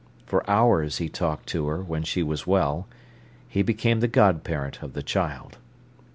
For hours he talked to her, when she was well. He became the god parent of the child.